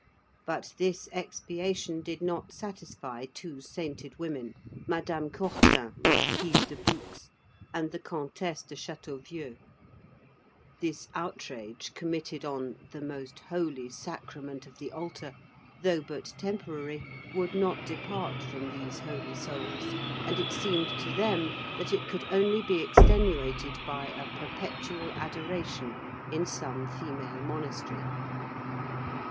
But this expiation did not satisfy two sainted women, Madame Courtin, Marquise de Boucs, and the Comtesse de Châteauvieux. This outrage committed on "the most holy sacrament of the altar," though but temporary, would not depart from these holy souls, and it seemed to them that it could only be extenuated by a "Perpetual Adoration" in some female monastery.